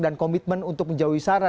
dan komitmen untuk menjauh wisara